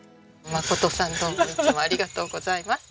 眞さんどうもいつもありがとうございます。